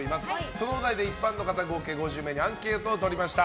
そのお題で一般の方合計５０名にアンケートを取りました。